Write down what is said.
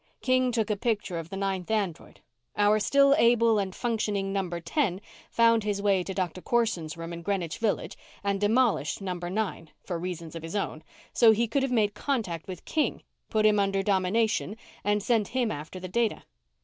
King took a picture of the ninth android. Our still able and functioning number ten found his way to Doctor Corson's room in Greenwich Village and demolished number nine, for reasons of his own, so he could have made contact with King, put him under domination, and sent him after the data."